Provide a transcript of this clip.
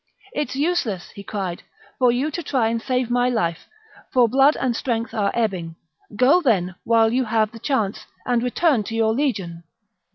" It's useless," he cried, " for you to try to save my life, for blood and strength are ebbing. Go, then, while you have the chance, and return to your legion."